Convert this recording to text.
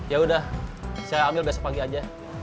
yaudah saya ambil besok pagi aja